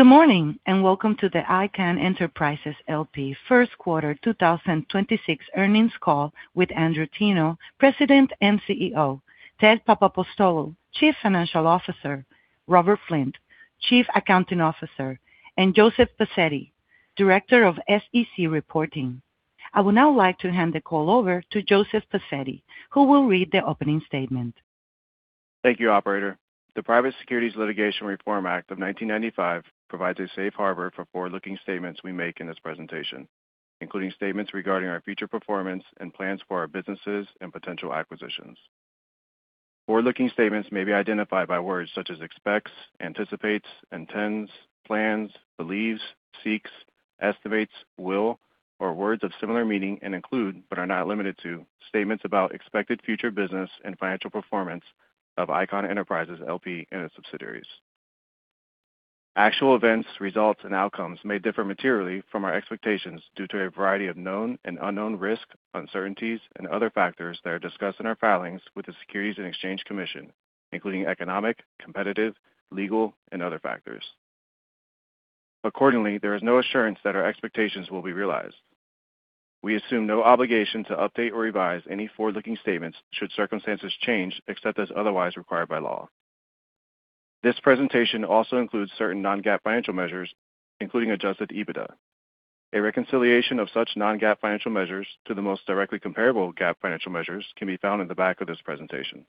Good morning, and welcome to the Icahn Enterprises L.P. first quarter 2026 earnings call with Andrew Teno, President and CEO, Ted Papapostolou, Chief Financial Officer, Robert Flint, Chief Accounting Officer, and Joseph Pacetti, Director of SEC Reporting. I would now like to hand the call over to Joseph Pacetti, who will read the opening statement. Thank you, operator. The Private Securities Litigation Reform Act of 1995 provides a Safe Harbor for forward-looking statements we make in this presentation, including statements regarding our future performance and plans for our businesses and potential acquisitions. Forward-looking statements may be identified by words such as expects, anticipates, intends, plans, believes, seeks, estimates, will, or words of similar meaning, and include, but are not limited to, statements about expected future business and financial performance of Icahn Enterprises L.P. and its subsidiaries. Actual events, results, and outcomes may differ materially from our expectations due to a variety of known and unknown risks, uncertainties, and other factors that are discussed in our filings with the Securities and Exchange Commission, including economic, competitive, legal, and other factors. Accordingly, there is no assurance that our expectations will be realized. We assume no obligation to update or revise any forward-looking statements should circumstances change except as otherwise required by law. This presentation also includes certain non-GAAP financial measures, including adjusted EBITDA. A reconciliation of such non-GAAP financial measures to the most directly comparable GAAP financial measures can be found in the back of this presentation.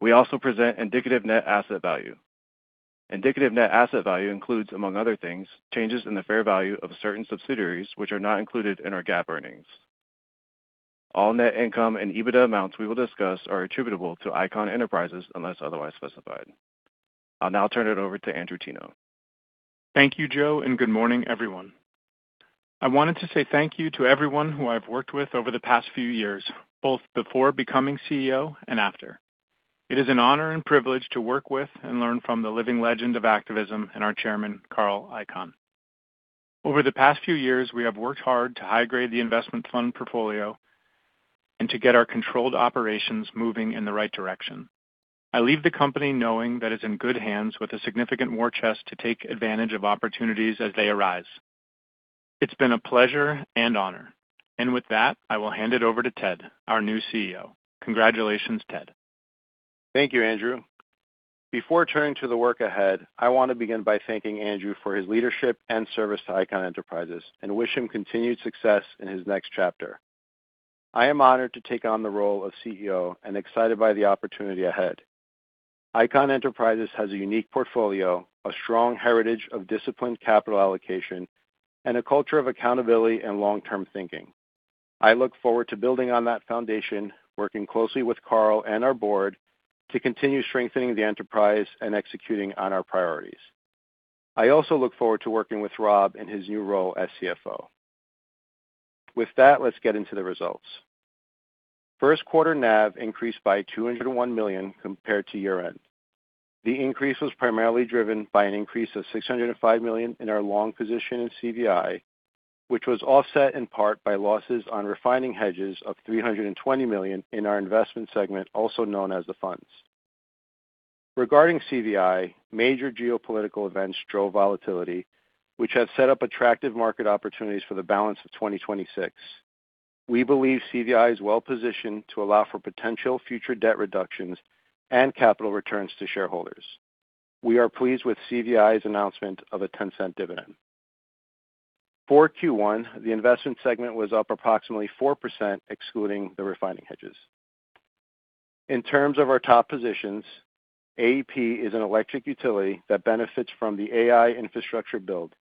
We also present indicative net asset value. Indicative net asset value includes, among other things, changes in the fair value of certain subsidiaries, which are not included in our GAAP earnings. All net income and EBITDA amounts we will discuss are attributable to Icahn Enterprises unless otherwise specified. I'll now turn it over to Andrew Teno. Thank you, Joe. Good morning, everyone. I wanted to say thank you to everyone who I've worked with over the past few years, both before becoming CEO and after. It is an honor and privilege to work with and learn from the living legend of activism and our Chairman, Carl Icahn. Over the past few years, we have worked hard to high-grade the investment fund portfolio and to get our controlled operations moving in the right direction. I leave the company knowing that it's in good hands with a significant war chest to take advantage of opportunities as they arise. It's been a pleasure and honor. With that, I will hand it over to Ted, our new CEO. Congratulations, Ted. Thank you, Andrew. Before turning to the work ahead, I want to begin by thanking Andrew for his leadership and service to Icahn Enterprises and wish him continued success in his next chapter. I am honored to take on the role of CEO and excited by the opportunity ahead. Icahn Enterprises has a unique portfolio, a strong heritage of disciplined capital allocation, and a culture of accountability and long-term thinking. I look forward to building on that foundation, working closely with Carl and our Board to continue strengthening the enterprise and executing on our priorities. I also look forward to working with Rob in his new role as CFO. With that, let's get into the results. First quarter NAV increased by $201 million compared to year-end. The increase was primarily driven by an increase of $605 million in our long position in CVI, which was offset in part by losses on refining hedges of $320 million in our Investment segment, also known as the Funds. Regarding CVI, major geopolitical events drove volatility, which has set up attractive market opportunities for the balance of 2026. We believe CVI is well-positioned to allow for potential future debt reductions and capital returns to shareholders. We are pleased with CVI's announcement of a $0.10 dividend. For Q1, the Investment segment was up approximately 4%, excluding the refining hedges. In terms of our top positions, AEP is an electric utility that benefits from the AI infrastructure build.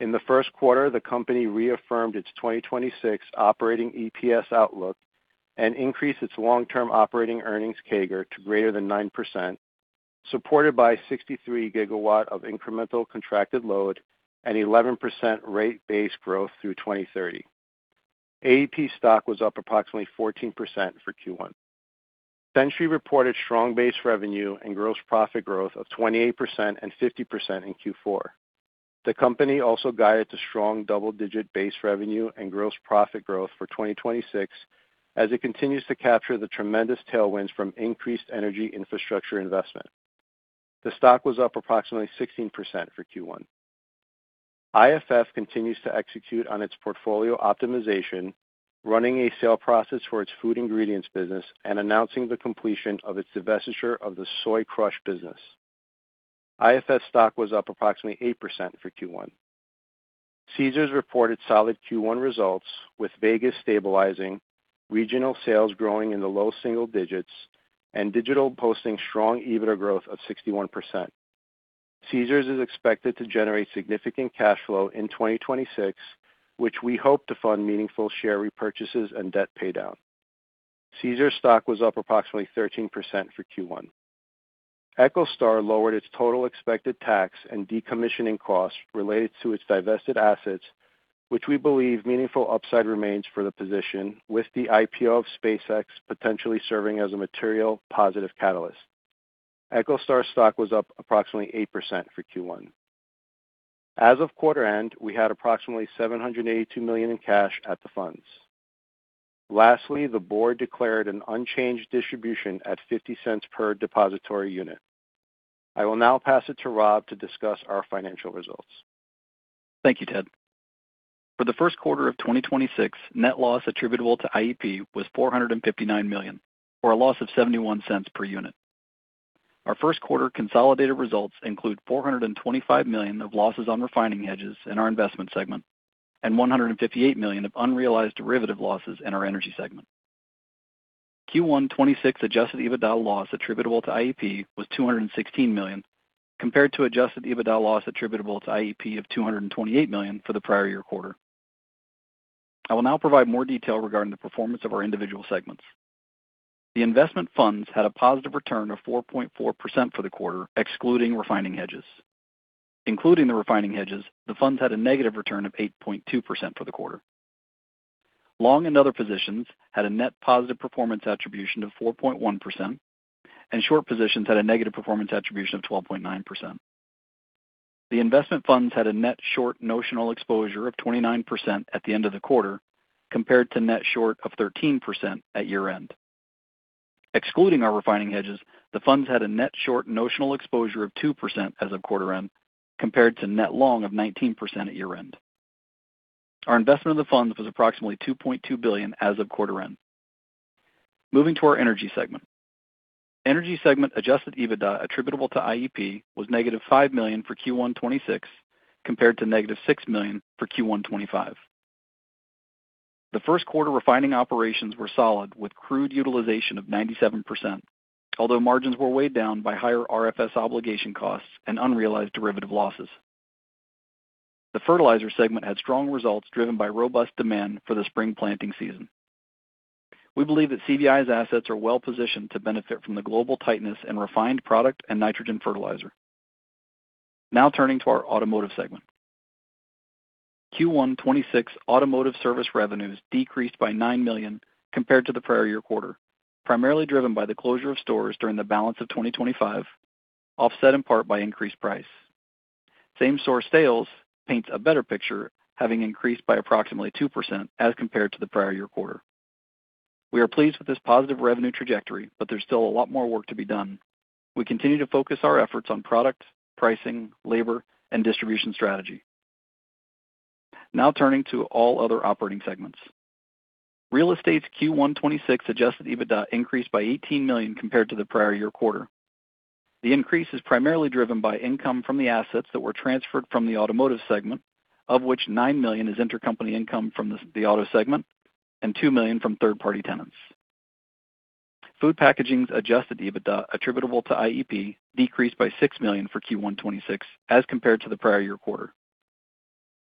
In the first quarter, the company reaffirmed its 2026 operating EPS outlook and increased its long-term operating earnings CAGR to greater than 9%, supported by 63 gigawatt of incremental contracted load and 11% rate base growth through 2030. AEP stock was up approximately 14% for Q1. Centuri reported strong base revenue and gross profit growth of 28% and 50% in Q4. The company also guided to strong double-digit base revenue and gross profit growth for 2026 as it continues to capture the tremendous tailwinds from increased energy infrastructure investment. The stock was up approximately 16% for Q1. IFF continues to execute on its portfolio optimization, running a sale process for its food ingredients business and announcing the completion of its divestiture of the soy crush business. IFF stock was up approximately 8% for Q1. Caesars reported solid Q1 results, with Vegas stabilizing, regional sales growing in the low single-digits, and digital posting strong EBITDA growth of 61%. Caesars is expected to generate significant cash flow in 2026, which we hope to fund meaningful share repurchases and debt paydown. Caesars stock was up approximately 13% for Q1. EchoStar lowered its total expected tax and decommissioning costs related to its divested assets, which we believe meaningful upside remains for the position, with the IPO of SpaceX potentially serving as a material positive catalyst. EchoStar stock was up approximately 8% for Q1. As of quarter-end, we had approximately $782 million in cash at the funds. Lastly, the Board declared an unchanged distribution at $0.50 per depository unit. I will now pass it to Rob to discuss our financial results. Thank you, Ted. For the first quarter of 2026, net loss attributable to IEP was $459 million or a loss of $0.71 per unit. Our first quarter consolidated results include $425 million of losses on refining hedges in our Investment segment and $158 million of unrealized derivative losses in our Energy segment. Q1 2026 adjusted EBITDA loss attributable to IEP was $216 million compared to adjusted EBITDA loss attributable to IEP of $228 million for the prior year quarter. I will now provide more detail regarding the performance of our individual segments. The Investment Funds had a positive return of 4.4% for the quarter, excluding refining hedges. Including the refining hedges, the funds had a negative return of 8.2% for the quarter. Long and other positions had a net positive performance attribution of 4.1%, and short positions had a negative performance attribution of 12.9%. The Investment Funds had a net short notional exposure of 29% at the end of the quarter, compared to net short of 13% at year-end. Excluding our refining hedges, the funds had a net short notional exposure of 2% as of quarter-end, compared to net long of 19% at year-end. Our investment of the funds was approximately $2.2 billion as of quarter-end. Moving to our Energy segment. Energy segment adjusted EBITDA attributable to IEP was -$5 million for Q1 2026, compared to -$6 million for Q1 2025. The first quarter refining operations were solid with crude utilization of 97%, although margins were weighed down by higher RFS obligation costs and unrealized derivative losses. The Fertilizer segment had strong results driven by robust demand for the spring planting season. We believe that CVI's assets are well-positioned to benefit from the global tightness in refined product and nitrogen fertilizer. Now turning to our Automotive segment. Q1 2026 Automotive service revenues decreased by $9 million compared to the prior year quarter, primarily driven by the closure of stores during the balance of 2025, offset in part by increased price. Same store sales paints a better picture, having increased by approximately 2% as compared to the prior year quarter. We are pleased with this positive revenue trajectory, but there's still a lot more work to be done. We continue to focus our efforts on product, pricing, labor, and distribution strategy. Turning to all other operating segments. Real Estate's Q1 2026 adjusted EBITDA increased by $18 million compared to the prior-year quarter. The increase is primarily driven by income from the assets that were transferred from the Automotive segment, of which $9 million is intercompany income from the Automotive segment and $2 million from third-party tenants. Food Packaging's adjusted EBITDA attributable to IEP decreased by $6 million for Q1 2026 as compared to the prior-year quarter.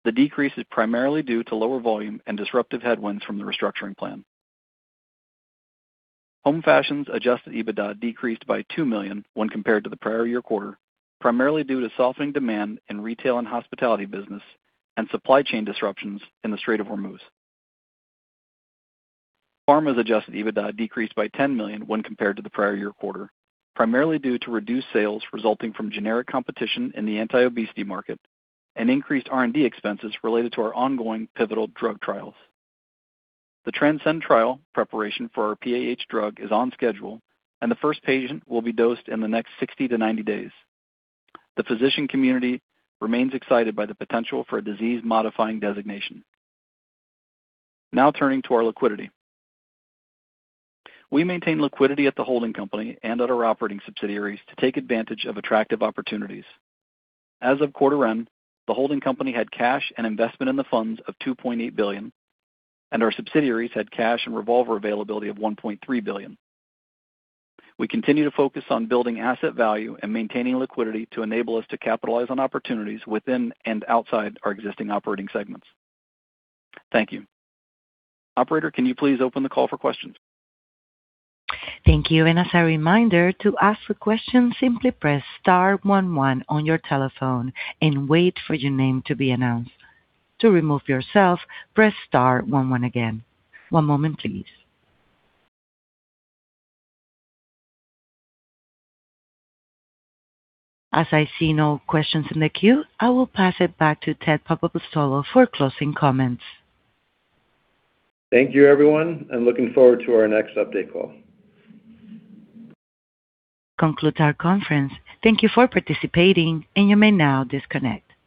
The decrease is primarily due to lower volume and disruptive headwinds from the restructuring plan. Home Fashion's adjusted EBITDA decreased by $2 million when compared to the prior-year quarter, primarily due to softening demand in retail and hospitality business and supply chain disruptions in the Strait of Hormuz. Pharma's adjusted EBITDA decreased by $10 million when compared to the prior year quarter, primarily due to reduced sales resulting from generic competition in the anti-obesity market and increased R&D expenses related to our ongoing pivotal drug trials. The TRANSCEND trial preparation for our PAH drug is on schedule, and the first patient will be dosed in the next 60 to 90 days. The physician community remains excited by the potential for a disease-modifying designation. Now turning to our liquidity. We maintain liquidity at the holding company and at our operating subsidiaries to take advantage of attractive opportunities. As of quarter-end, the holding company had cash and investment in the funds of $2.8 billion, and our subsidiaries had cash and revolver availability of $1.3 billion. We continue to focus on building asset value and maintaining liquidity to enable us to capitalize on opportunities within and outside our existing operating segments. Thank you. Operator, can you please open the call for questions? Thank you. As a reminder, to ask a question simply press star one one on your telephone and wait for your name to be announced. To remove yourself, press star one one again. One moment please. As I see no questions in the queue, I will pass it back to Ted Papapostolou for closing comments. Thank you, everyone, and looking forward to our next update call. Concludes our conference. Thank you for participating, and you may now disconnect.